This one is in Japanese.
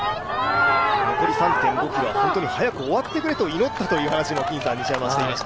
残り３．５ｋｍ、本当に早く終わってくれと祈ったという金さんのお話もありました。